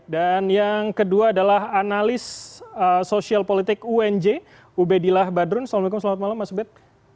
dan yang kedua adalah analis sosial politik unj ubedillah badrun selamat malam masbet